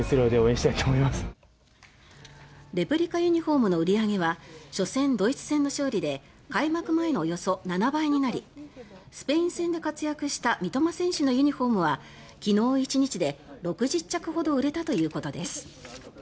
レプリカユニホームの売り上げは初戦、ドイツ戦の勝利で開幕前のおよそ７倍となりスペイン戦で活躍した三笘選手のユニホームは昨日１日で６０着ほど売れたということです。